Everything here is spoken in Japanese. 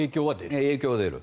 影響は出る。